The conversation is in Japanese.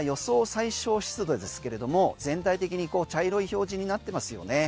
最小湿度ですけれども全体的に茶色い表示になってますよね。